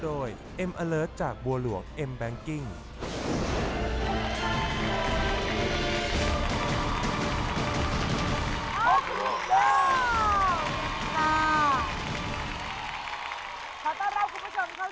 ด้วยการสนับสนุนส่วนดังสุดยอดเพราะการรักกับตัวของฐาน